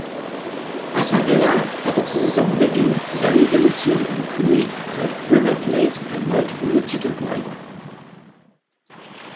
Passarella hatte zu Saisonbeginn seine Demission angekündigt, falls River Plate erneut ohne Titel bleibe.